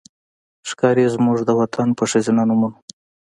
ښکاري زموږ د وطن په ښځېنه نومونو